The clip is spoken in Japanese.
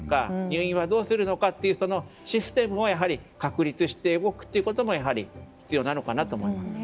入院はどうするのかというそのシステムを確立して動くということもやはり必要なのかなと思います。